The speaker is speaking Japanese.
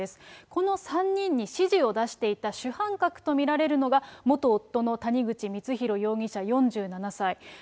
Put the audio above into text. この３人に指示を出していた主犯格と見られるのが、元夫の谷口光弘容疑者４７歳。